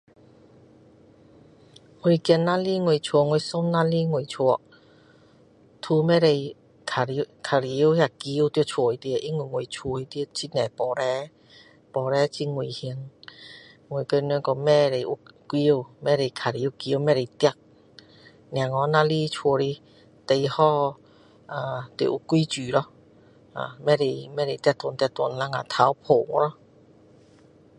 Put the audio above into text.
我孩子若来我家我孙子若来我家都不可以玩玩那球在家里面因为我家里很多玻璃玻璃很危险我跟他们说不可以有球不可玩球不可跑小孩子若来家里里最好啊要有规矩咯呃不可以跑来跑去等下头撞到咯